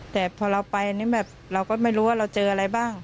แต่พอเราไปอันนี้แบบเราก็ไม่รู้ว่าเราเจออะไรบ้าง